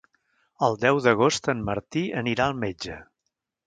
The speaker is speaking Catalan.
El deu d'agost en Martí anirà al metge.